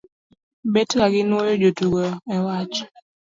betga gi nuoyo jotugo e wach?